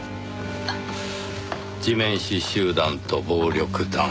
地面師集団と暴力団。